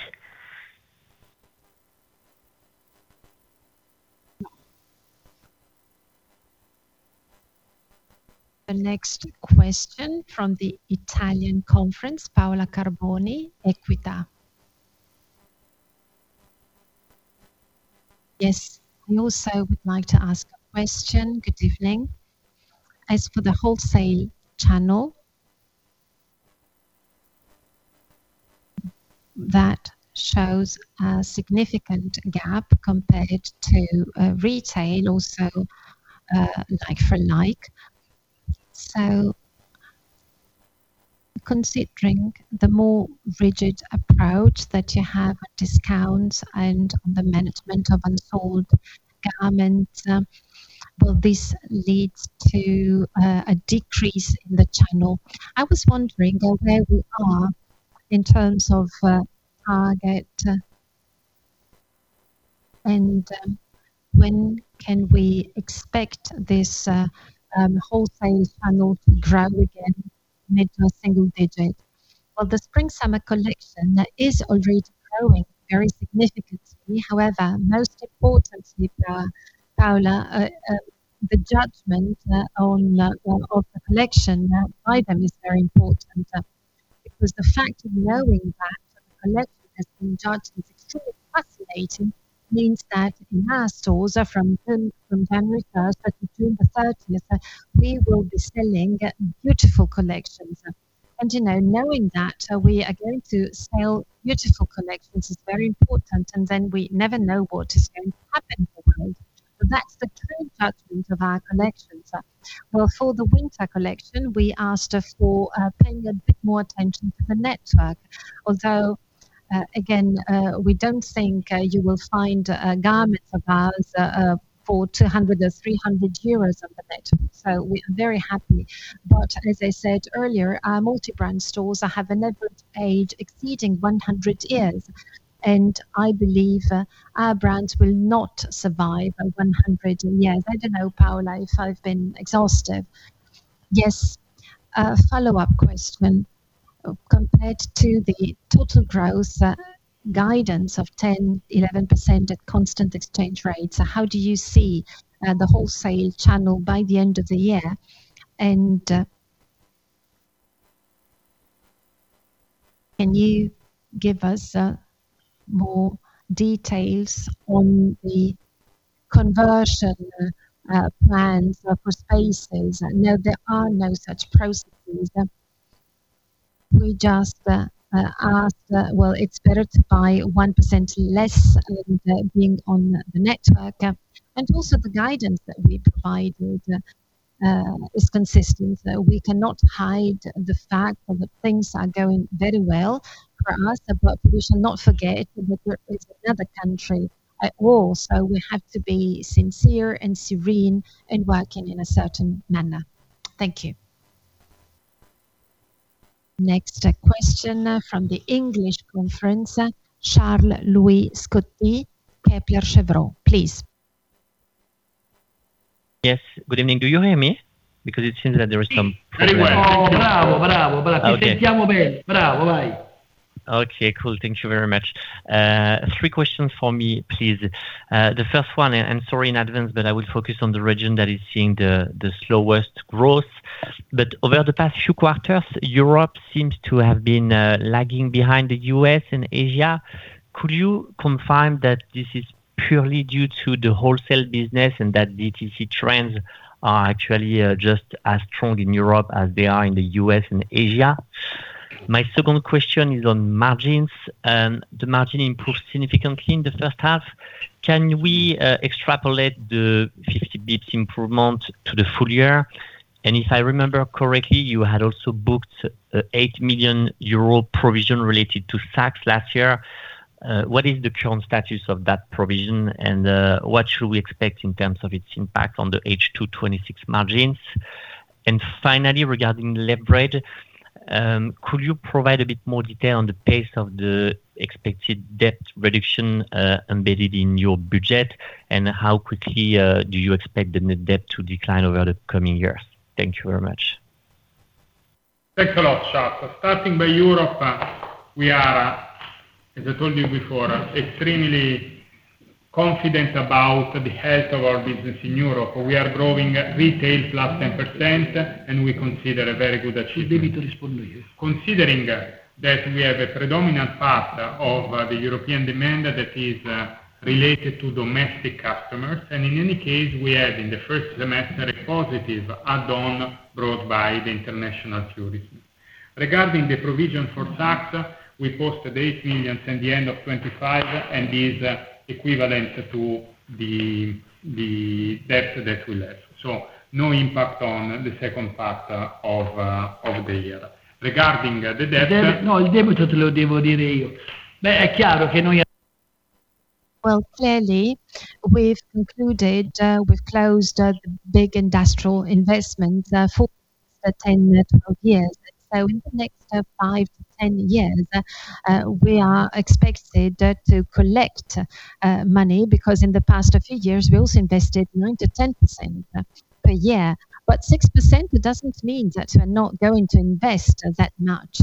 The next question from the Italian conference, Paola Carboni, EQUITA. Yes, I also would like to ask a question. Good evening. As for the wholesale channel, that shows a significant gap compared to retail, also like for like. Considering the more rigid approach that you have on discounts and on the management of unsold garments, will this lead to a decrease in the channel? I was wondering where we are in terms of target and when can we expect this wholesale channel to grow again mid to a single digit? The spring-summer collection is already growing very significantly. Most importantly, Paola, the judgment of the collection by them is very important because the fact of knowing that the collection has been judged as extremely fascinating means that in our stores from January 1st to June 30th, we will be selling beautiful collections. Knowing that we are going to sell beautiful collections is very important and then we never know what is going to happen tomorrow. That's the true judgment of our collections. For the winter collection, we asked for paying a bit more attention to the network. Although, again, we don't think you will find garments of ours for 200 or 300 euros on the network. We are very happy. As I said earlier, our multi-brand stores have an average age exceeding 100 years, and I believe our brand will not survive over 100 years. I don't know, Paola, if I've been exhaustive. Yes. A follow-up question. Compared to the total growth guidance of 10%-11% at constant exchange rates, how do you see the wholesale channel by the end of the year? Can you give us more details on the conversion plans for spaces? I know there are no such processes. We just ask that, well, it's better to buy 1% less than being on the network. Also, the guidance that we provided is consistent. We cannot hide the fact that things are going very well for us, but we should not forget that it's another country at war, so we have to be sincere and serene in working in a certain manner. Thank you. Next question from the English conference, Charles-Louis Scotti, Kepler Cheuvreux, please. Yes. Good evening. Do you hear me? Because it seems that there is some. Bravo. Okay, cool. Thank you very much. Three questions for me, please. The first one. Sorry in advance, but I will focus on the region that is seeing the slowest growth. Over the past few quarters, Europe seems to have been lagging behind the U.S. and Asia. Could you confirm that this is purely due to the wholesale business and that DTC trends are actually just as strong in Europe as they are in the U.S. and Asia? My second question is on margins, the margin improved significantly in the first half. Can we extrapolate the 50 basis points improvement to the full year? If I remember correctly, you had also booked 8 million euro provision related to tax last year. What is the current status of that provision, and what should we expect in terms of its impact on the H2 2026 margins? Finally, regarding leverage, could you provide a bit more detail on the pace of the expected debt reduction, embedded in your budget? How quickly do you expect the net debt to decline over the coming years? Thank you very much. Thanks a lot, Charles. Starting by Europe, we are, as I told you before, extremely confident about the health of our business in Europe. We are growing retail +10%, and we consider a very good achievement. Considering that we have a predominant part of the European demand that is related to domestic customers, and in any case, we have in the first semester, a positive add-on brought by the international tourism. Regarding the provision for tax, we posted 8 million in the end of 2025, and is equivalent to the debt that we left. No impact on the second part of the year. Regarding the debt. Well, clearly, we've concluded, we've closed the big industrial investment for the next 10, 12 years. In the next five to 10 years, we are expected to collect money, because in the past few years, we also invested 9%-10% per year. 6% doesn't mean that we're not going to invest that much.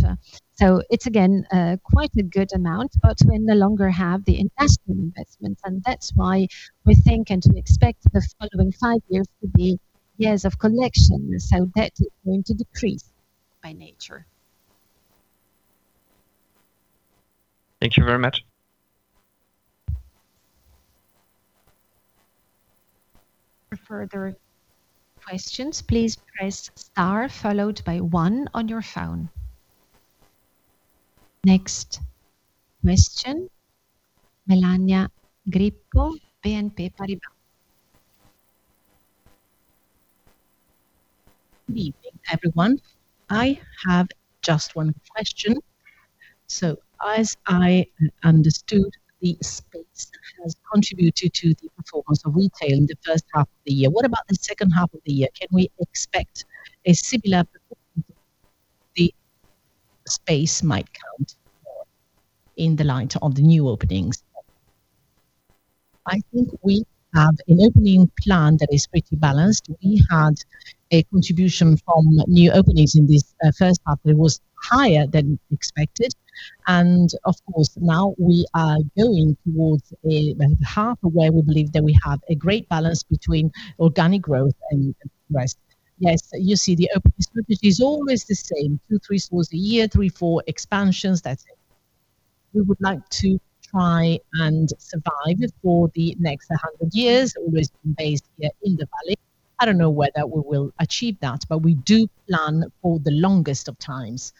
It's again, quite a good amount, but we no longer have the investment, and that's why we think and we expect the following five years to be years of collection. Debt is going to decrease by nature. Thank you very much. For further questions, please press star followed by one on your phone. Next question, Melania Grippo, BNP Paribas. Good evening, everyone. I have just one question. As I understood, the space has contributed to the performance of retail in the first half of the year. What about the second half of the year? Can we expect a similar performance? The space might count more in the light of the new openings. I think we have an opening plan that is pretty balanced. We had a contribution from new openings in this first half that was higher than expected, and of course, now we are going towards a half where we believe that we have a great balance between organic growth and the rest. Yes, you see the opening strategy is always the same, two, three stores a year, three, four expansions. That's it. We would like to try and survive for the next 100 years, always based here in the Valley. I don't know whether we will achieve that, but we do plan for the longest of times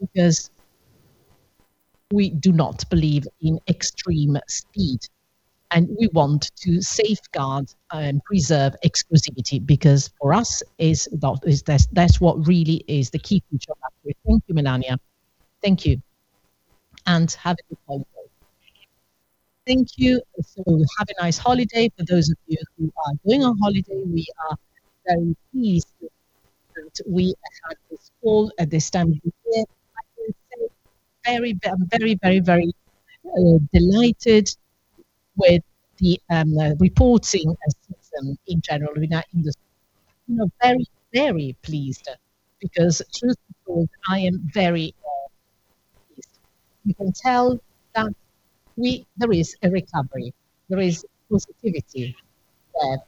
because we do not believe in extreme speed, and we want to safeguard and preserve exclusivity, because for us, that's what really is the key feature of that. Thank you, Melania. Thank you. Have a good holiday. Thank you. Have a nice holiday, for those of you who are going on holiday. We are very pleased that we had this call at this time of the year. I will say very delighted with the reporting as a system in general in our industry. Very pleased, because truth be told, I am very pleased. You can tell that there is a recovery, there is positivity there.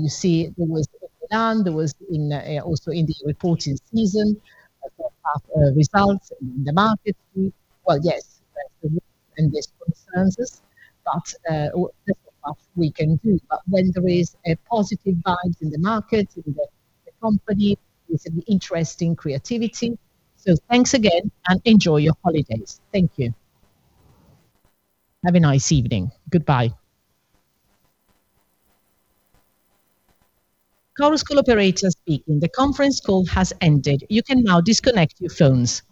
You see there was open-end, there was also in the reporting season, first half results in the market. Yes, there's risks and there's concerns, but there's not much we can do. When there is a positive vibe in the market, in the company, there is an interesting creativity. Thanks again and enjoy your holidays. Thank you. Have a nice evening. Goodbye. Call center operator speaking. The conference call has ended. You can now disconnect your phones. Thank you.